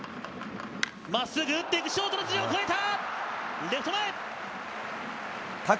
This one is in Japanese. まっすぐ打っていく、ショートの頭上を越えた！